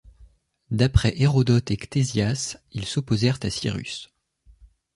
D'après Hérodote et Ctésias, ils s'opposèrent à Cyrus.